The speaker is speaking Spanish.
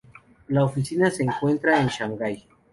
La oficina se encuentra en Shanghai.